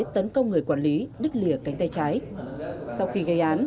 tấn công người quản lý đứt lìa cánh tay trái sau khi gây án